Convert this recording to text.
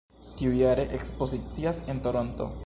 Tiujare ekspozicias en Toronto.